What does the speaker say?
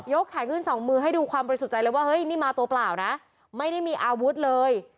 แขนขึ้นสองมือให้ดูความบริสุทธิ์ใจเลยว่าเฮ้ยนี่มาตัวเปล่านะไม่ได้มีอาวุธเลย